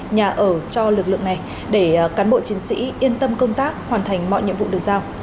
nhà ở cho lực lượng này để cán bộ chiến sĩ yên tâm công tác hoàn thành mọi nhiệm vụ được giao